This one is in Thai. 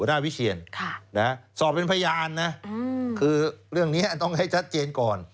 วิเชียนสอบเป็นพยานนะคือเรื่องนี้ต้องให้ชัดเจนก่อน